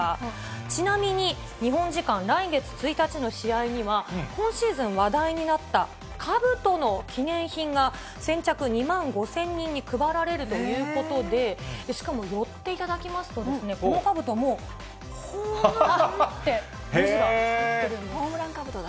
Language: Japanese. ちなみに、日本時間来月１日の試合には、今シーズン話題になった、かぶとの記念品が、先着２万５０００人に配られるということで、しかも寄っていただきますと、このかぶと、もうホームランってホームランかぶとだ。